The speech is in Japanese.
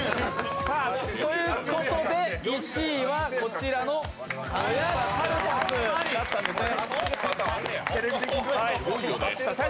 ということで、１位はこちらのおやつカルパスだったんですね。